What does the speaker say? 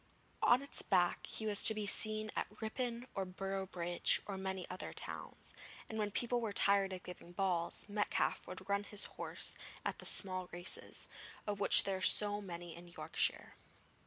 On its back he was to be seen at Ripon or Boroughbridge or many other towns, and when people were tired of giving balls, Metcalfe would run his horse at the small races, of which there are so many in Yorkshire.